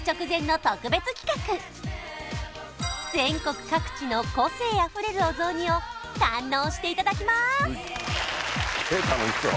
全国各地の個性あふれるお雑煮を堪能していただきます